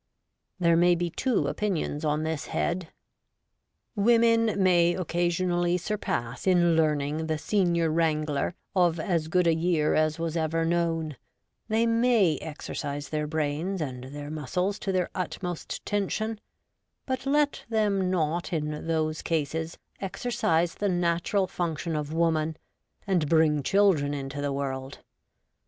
There may be two opinions on this head. Women may occasionally surpass in learning the Senior Wrangler of as good a year as was ever known ; they may exercise their brains and their muscles to their utmost tension ; but let them not in those cases exercise the natural function of woman and bring children into the world.